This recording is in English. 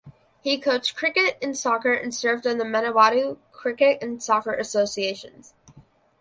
He coached cricket and soccer and served on the Manawatu cricket and soccer associations.